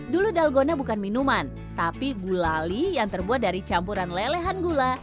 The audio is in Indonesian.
dulu dalgona bukan minuman tapi gulali yang terbuat dari campuran lelehan gula